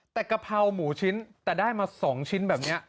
แต่กะเพราหมูชิ้นแต่ได้มา๒ชิ้นแบบนี้